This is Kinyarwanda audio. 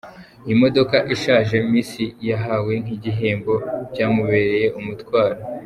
Imodoka ishaje Miss yahawe nk’igihembo byamubereye umutwaro.